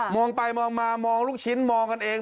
องไปมองมามองลูกชิ้นมองกันเอง